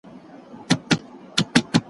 چي په سیند کي پورته ږغ د جاله وان سي